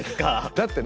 だってね